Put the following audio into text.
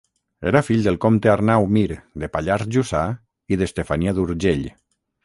Era fill del comte Arnau Mir de Pallars Jussà i d'Estefania d'Urgell.